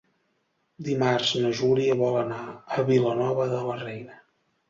Dimarts na Júlia vol anar a Vilanova de la Reina.